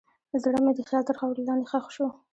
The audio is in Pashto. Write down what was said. زړه مې د خیال تر خاورو لاندې ښخ شو.